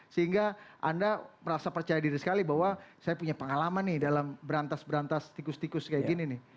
sehingga anda merasa percaya diri sekali bahwa saya punya pengalaman nih dalam berantas berantas tikus tikus kayak gini nih